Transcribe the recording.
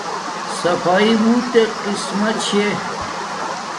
سفایݵ بوتک قیسما چھے